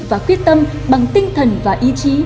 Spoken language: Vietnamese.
và quyết tâm bằng tinh thần và ý chí